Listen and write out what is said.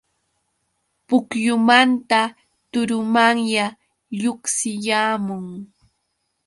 Pukyumanta turumanya lluqsiyaamun.